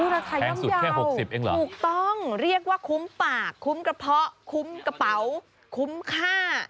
ราคาย่อมยาว๖๐เองเหรอถูกต้องเรียกว่าคุ้มปากคุ้มกระเพาะคุ้มกระเป๋าคุ้มค่า